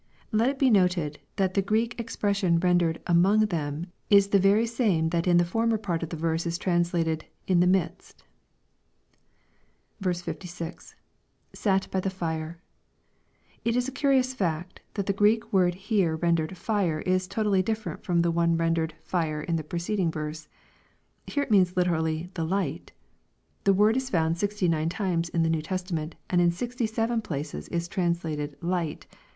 '] Let it be noted, that the Greek ex pression rendered " among" them, is the very same that in the former part of the verse is translated, " in the midst." h6» — [Sat by the fire.] It is a curious fact^ that the Greek word here rendered " fire," is a totally different word from the one rendered " fire," in the preceding verse. Here it means literally, " the light," The word is found sixty nine times in the New Testament, and in sixty seven places is translated " light."